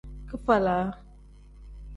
Kifalag.